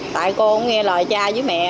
tại con nghe lời cha với mẹ